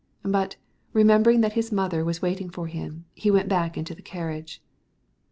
But recollecting that his mother was waiting for him, he went back again into the carriage.